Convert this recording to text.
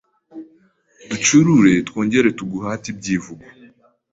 Ducurure twongere Tuguhate ibyivugo